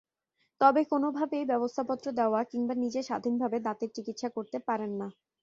তবে কোনোভাবেই ব্যবস্থাপত্র দেওয়া কিংবা নিজে স্বাধীনভাবে দাঁতের চিকিৎসা করতে পারেন না।